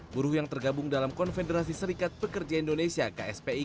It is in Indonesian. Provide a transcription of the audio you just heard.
buruh yang tergabung dalam konfederasi serikat pekerja indonesia kspi